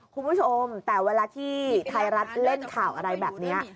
คุณผู้ชมแต่เวลาที่ไทยรัฐเล่นข่าวอะไรแบบนี้